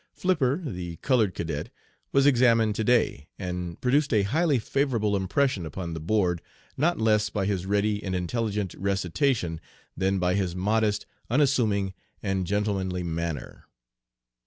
Flipper, the colored cadet, was examined to day, and produced a highly favorable impression upon the board not less by his ready and intelligent recitation than by his modest, unassuming, and gentlemanly manner.